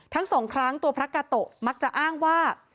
ทั้งสองครั้งตัวพระกาโตะมักจะอ้างว่า